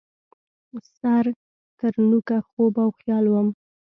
سر ترنوکه خوب او خیال وم